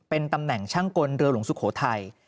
เป็นตำแหน่งช่างกลเรือหลวงสุโขทัย